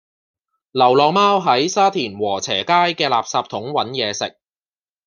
流浪貓喺沙田禾輋街嘅垃圾桶搵野食